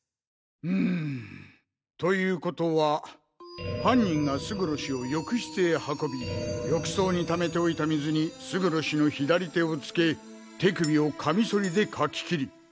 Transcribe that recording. うむという事は犯人が勝呂氏を浴室へ運び浴槽に溜めておいた水に勝呂氏の左手を浸け手首をカミソリでかき切り。